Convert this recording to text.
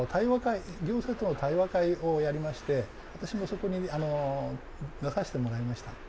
行政との対話会をやりまして私もそこに出させてもらいました。